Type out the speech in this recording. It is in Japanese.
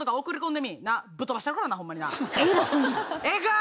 ええか？